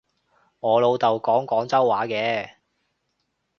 我老豆講廣州話嘅